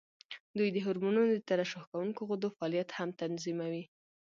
دوی د هورمونونو د ترشح کوونکو غدو فعالیت هم تنظیموي.